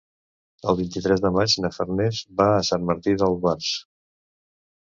El vint-i-tres de maig na Farners va a Sant Martí d'Albars.